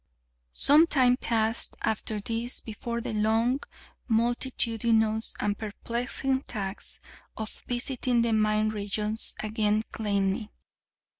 Some time passed after this before the long, multitudinous, and perplexing task of visiting the mine regions again claimed me.